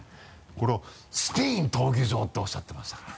これを「スペイン闘牛場」っておっしゃってましたから。